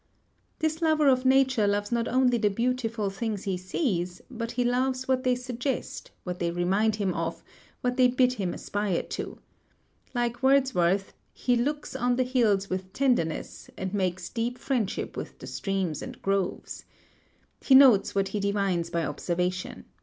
This lover of nature loves not only the beautiful things he sees, but he loves what they suggest, what they remind him of, what they bid him aspire to. Like Wordsworth, he "looks on the hills with tenderness, and makes deep friendship with the streams and groves." He notes what he divines by observation.